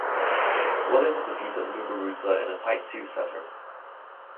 Williams defeated Muguruza in a tight two-setter.